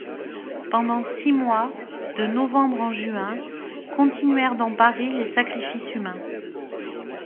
Pendant six mois, de novembre en juin, continuèrent dans Paris les sacrifices humains.